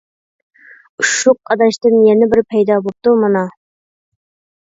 ئۇششۇق ئاداشتىن يەنە بىرى پەيدا بوپتۇ مانا!